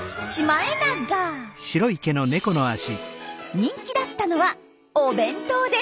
人気だったのはお弁当です。